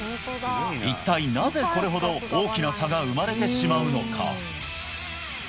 一体なぜこれほど大きな差が生まれてしまうのか？